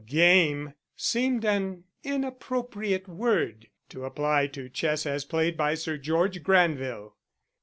"Game" seemed an inappropriate word to apply to chess as played by Sir George Granville.